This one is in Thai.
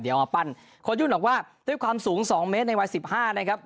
เดี๋ยวมาปั้นโค้ยุ่นบอกว่าด้วยความสูง๒เมตรในวัยสิบห้านะครับ